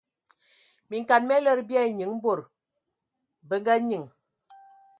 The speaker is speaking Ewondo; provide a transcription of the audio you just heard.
Minkana mia lədə bia enyiŋ bod bə nga nyiŋ.